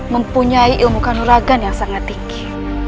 mempunyai ilmu kanuragan yang sangat tinggi